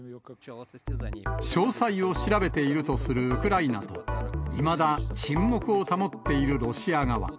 詳細を調べているとするウクライナと、いまだ沈黙を保っているロシア側。